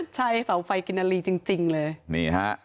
ใช่เสาไฟกินนารีจริงเลย